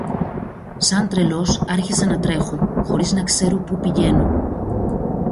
Σαν τρελός άρχισα να τρέχω, χωρίς να ξέρω πού πηγαίνω